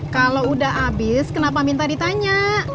kalau udah habis kenapa minta ditanya